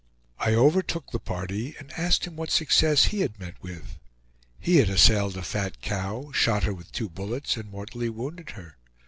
I overtook the party, and asked him what success he had met with. He had assailed a fat cow, shot her with two bullets, and mortally wounded her.